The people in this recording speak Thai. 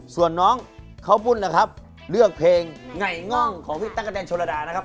ส่วนน้องเค้าปุ่นนะครับเลือกเพลงไง่ง่องของพี่ตั้งแต่นชนดานะครับ